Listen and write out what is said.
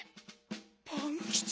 パンキチ。